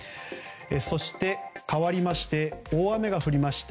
そして、かわりまして大雨が降りました